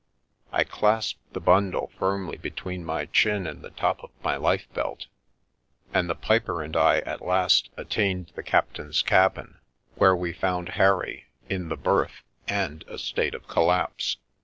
I clasped the bundle firmly between my chin and the top of my lifebelt, and the piper and I at last attained the captain's cabin, where we found Harry in the berth and a state of collapse.